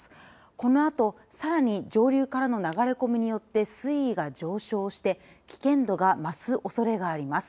このあと、さらに上流からの流れ込みによって水位が上昇して危険度が増すおそれがあります。